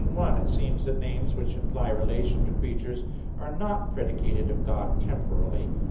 7] Whether Names Which Imply Relation to Creatures Are Predicated of God Temporally?